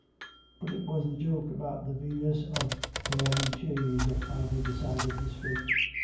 But it was the joke about the Venus of Pere Lachaise that finally decided his fate.